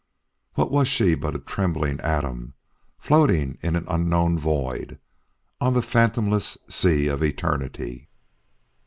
What was she but a trembling atom floating in an unknown void on the fathomless sea of eternity!